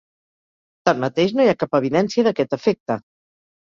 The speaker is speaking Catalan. Tanmateix, no hi ha cap evidència d'aquest efecte.